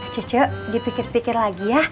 cicu dipikir pikir lagi ya